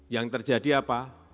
yang terjadi apa